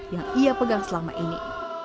yang ia pegang selama ini